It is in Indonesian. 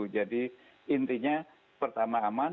jadi intinya pertama aman